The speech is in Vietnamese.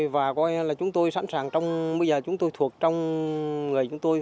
và chúng tôi sẵn sàng bây giờ chúng tôi thuộc trong người chúng tôi